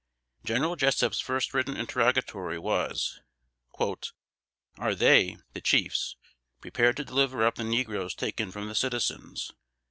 General Jessup's first written interrogatory was, "Are they (the chiefs) prepared to deliver up the negroes taken from the citizens?